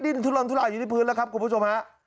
ดินทุรนทุราชอยู่ในพื้นแล้วครับคุณผู้ชมฮะ